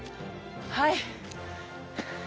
はい。